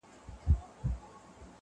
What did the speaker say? په دې سپي کي کمالونه معلومېږي,